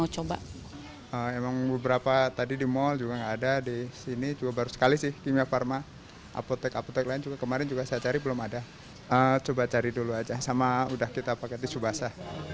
coba cari dulu aja sama udah kita pakai disubasa